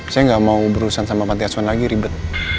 saya gak mau berurusan sama panti aswan lagi ribet